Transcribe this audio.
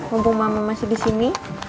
mumpung mama masih disini